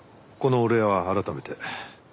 このお礼は改めて。